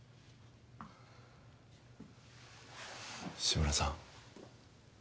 志村さん